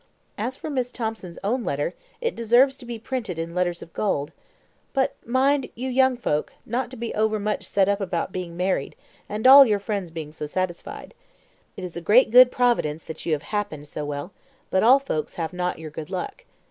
As for Miss Thomson's own letter, it deserves to be printed in letters of gold; but mind, you young folk, not to be overmuch set up about being married, and all your friends being so satisfied. It is a great good Providence that you have happened so well; but all folk have not your good luck.